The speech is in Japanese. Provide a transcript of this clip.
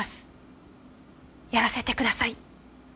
やらせてください。